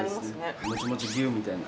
もちもちぎゅーみたいな。